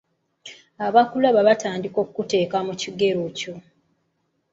Abakulaba batandika okukuteeka mu kigero kyo.